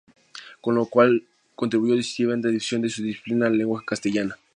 Con lo cual contribuyó decisivamente a la difusión de su disciplina en lengua castellana.